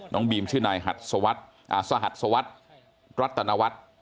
น้องบีมชื่อนายสหัสวัสรัตนวัส